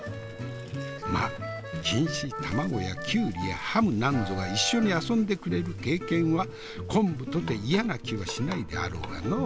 まあ錦糸卵やきゅうりやハムなんぞが一緒に遊んでくれる経験は昆布とて嫌な気はしないであろうがのう。